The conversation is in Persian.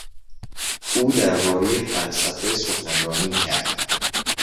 او دربارهی فلسفه سخنرانی کرد.